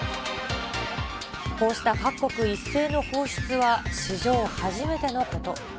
こうした各国一斉の放出は史上初めてのこと。